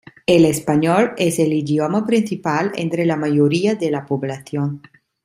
El español es el idioma principal entre la mayoría de la población.